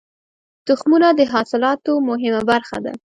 تخمونه د حاصلاتو مهمه برخه ده.